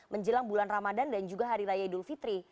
menjelang bulan ramadan dan juga hari raya idul fitri